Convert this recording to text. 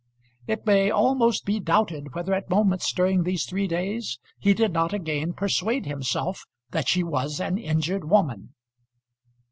It may almost be doubted whether at moments during these three days he did not again persuade himself that she was an injured woman.